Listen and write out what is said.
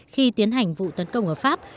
khi tiến hành vụ tấn công ở pháp